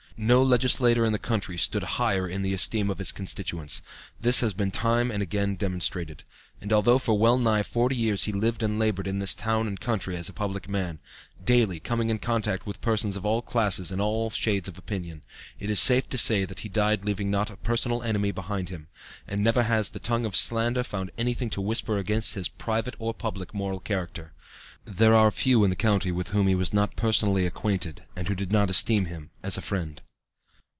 No legislator in the country stood higher in the esteem of his constituents. This has been time and again demonstrated. And although for well nigh forty years he lived and labored in this town and county as a public man, daily coming in contact with persons of all classes and of all shades of opinion, it is safe to say that he died leaving not a personal enemy behind him, and never has the tongue of slander found anything to whisper against his private or public moral character. There are few in the county with whom he was not personally acquainted and who did not esteem him a friend.